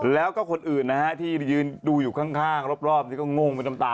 แล้วก็คนอื่นที่ยืนดูอยู่ข้างรอบที่ก็งงไปตามกัน